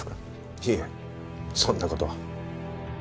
いえそんな事は。